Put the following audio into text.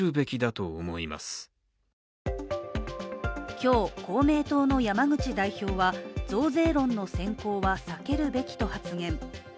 今日、公明党の山口代表は増税論の先行は避けるべきと発言。